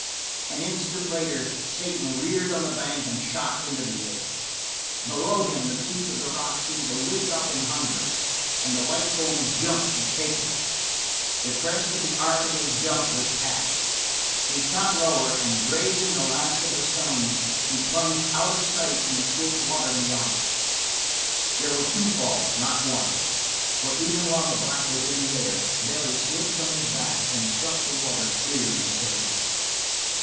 An instant later Satan reared on the bank and shot into the air. Below him the teeth of the rocks seemed to lift up in hunger, and the white foam jumped to take him. The crest of the arc of his jump was passed; he shot lower and grazing the last of the stones he plunged out of sight in the swift water beyond. There were two falls, not one, for even while the black was in the air Barry slipped from his back and struck the water clear of Satan.